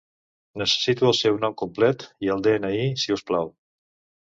Necessito el seu nom complet i el de-ena-i, si us plau.